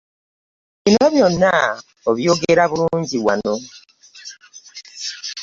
Bino byonna obyogera bulungi wano.